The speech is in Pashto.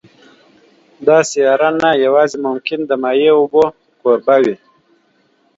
دا سیاره نه یوازې ممکن د مایع اوبو کوربه وي